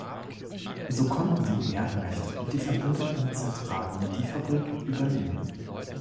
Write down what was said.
So konnten die Erdmächte und die verbündeten Zentradi die Fabrik übernehmen.